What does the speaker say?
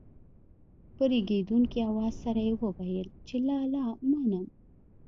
په رېږېدونکي اواز سره يې وويل چې لالا منم.